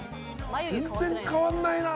全然変わんないな。